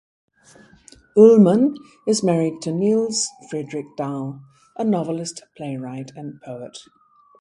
Ullmann is married to Niels Fredrik Dahl, a novelist, playwright and poet.